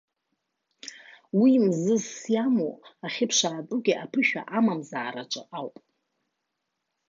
Уи мзызс иамоу ахьыԥшаатәугьы аԥышәа амамзаараҿы ауп.